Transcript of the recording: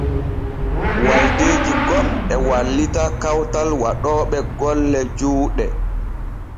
Waldeeji gom e wallita kawtal waɗooɓe golle juuɗe.